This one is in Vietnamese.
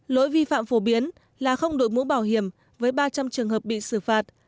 lỗi vi phạm phổ biến là không đội mũ bảo hiểm với ba trăm linh trường hợp bị xử phạt